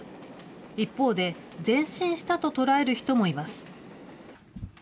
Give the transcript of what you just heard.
一方で、前進したと捉える人もいます。